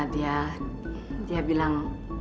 dia dia bilang